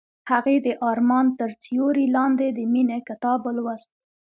هغې د آرمان تر سیوري لاندې د مینې کتاب ولوست.